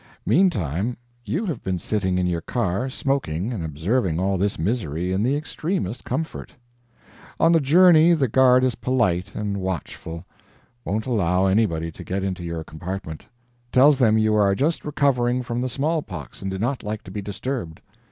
Meantime, you have been sitting in your car, smoking, and observing all this misery in the extremest comfort. On the journey the guard is polite and watchful won't allow anybody to get into your compartment tells them you are just recovering from the small pox and do not like to be disturbed.